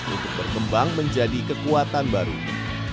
untuk berkembang menjadi kekuatan barunya